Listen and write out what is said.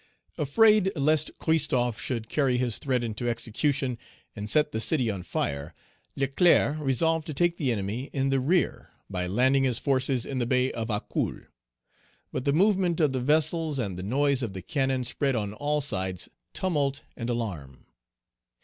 Afraid lest Christophe should carry his threat into execution and set the city on fire, Leclerc resolved to take the enemy in the rear by landing his forces in the Bay of Acul. But the movement of the vessels and the noise of the cannon spread on all sides tumult and alarm.